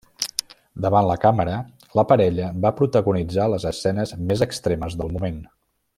Davant de la càmera la parella va protagonitzar les escenes més extremes del moment.